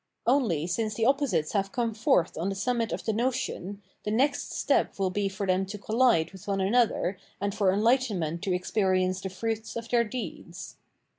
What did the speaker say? Only, since the opposites have come forth on the summit of the notion, the next step will be for them to collide with one another and for enlightenment to experience the fruits of their deeds.